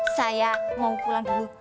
saya mau pulang dulu